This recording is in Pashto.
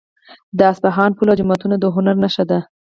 د اصفهان پل او جوماتونه د هنر نښه دي.